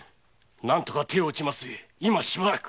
何とか手を打ちますゆえしばらく。